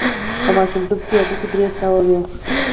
په ماشومتوب هډوکي درې سوه وي.